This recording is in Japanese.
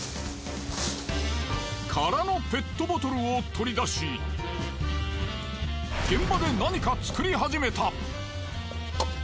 空のペットボトルを取り出し現場で何か作り始めた。